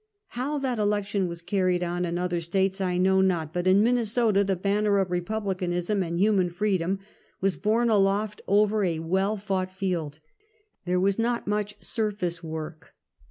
How that election was carried on in other States I know not, but in Minnesota the banner of Republicanism and human freedom was borne aloft over a well fought field. There was not much surface work.